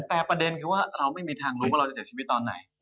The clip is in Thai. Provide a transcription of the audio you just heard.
แต่ประเด็นคือว่าเราไม่มีทางรู้ว่าเราจะเสียชีวิตตอนไหน